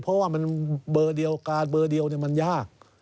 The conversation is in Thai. เพราะว่ามันเบอร์เดียวการเบอร์เดียวมันยาก